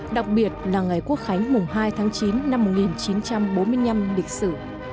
đặc biệt là ngày quốc khánh mùng hai tháng chín năm một nghìn chín trăm bốn mươi năm lịch sử